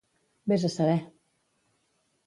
Ves a saber!